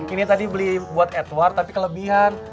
ini tadi beli buat edward tapi kelebihan